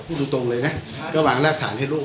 พูดดูตรงเลยเนี่ยก็วางรากฐานให้รูป